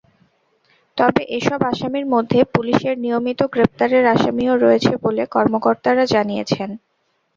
তবে এসব আসামির মধ্যে পুলিশের নিয়মিত গ্রেপ্তারের আসামিও রয়েছে বলে কর্মকর্তারা জানিয়েছেন।